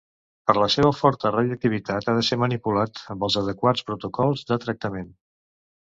Per la seva forta radioactivitat ha de ser manipulat amb els adequats protocols de tractament.